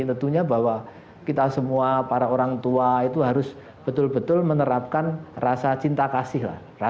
tentunya bahwa kita semua para orang tua itu harus betul betul menerapkan rasa cinta kasih lah